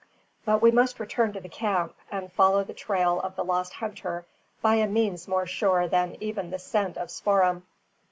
But we must return to the camp, and follow the trail of the lost hunter by a means more sure than even the keen scent of Spoor'em.